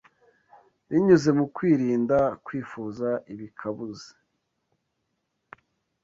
binyuze mu kwirinda kwifuza ibikabuzi.